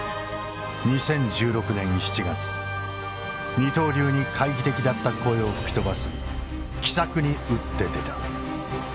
二刀流に懐疑的だった声を吹き飛ばす奇策に打って出た。